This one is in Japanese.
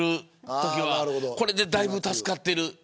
これで、だいぶ助かってる。